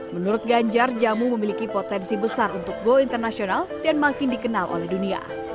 menurut ganjar jamu memiliki potensi besar untuk go internasional dan makin dikenal oleh dunia